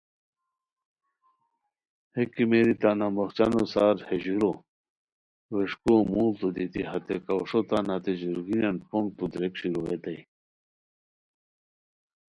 ہے کیمیری تان امبوخچانو سار ہے ژورو ویݰکوؤ موڑتو دیتی ہتے کاؤݰو تان ہتے ژورگینان پونگتو دریک شروغئیتائے